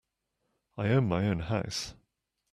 I own my own house.